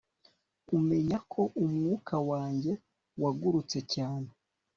kumenya ko umwuka wanjye wagurutse cyane